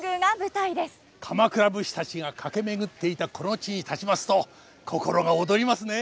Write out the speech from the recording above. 鎌倉武士たちが駆け巡っていたこの地に立ちますと心が躍りますね。